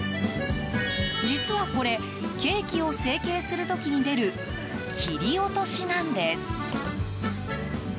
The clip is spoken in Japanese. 実はこれケーキを成形する時に出る切り落としなんです。